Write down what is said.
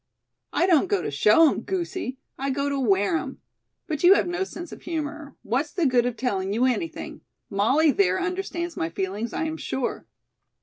"I don't go to show 'em, goosie; I go to wear 'em. But you have no sense of humor. What's the good of telling you anything? Molly, there, understands my feelings, I am sure."